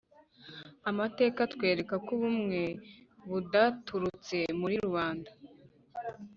amateka atwereka ko ubumwe budaturutse muri rubanda,